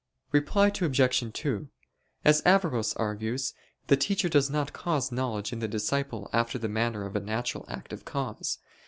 Reply Obj. 2: As Averroes argues, the teacher does not cause knowledge in the disciple after the manner of a natural active cause.